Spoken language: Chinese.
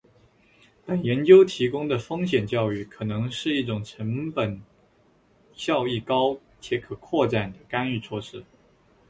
本研究提供的风险教育可能是一种成本效益高且可扩展的干预措施